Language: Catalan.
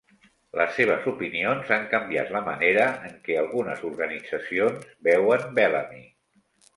Les seves opinions han canviat la manera en què algunes organitzacions veuen Bellamy.